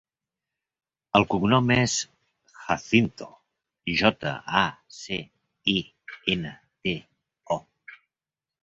El cognom és Jacinto: jota, a, ce, i, ena, te, o.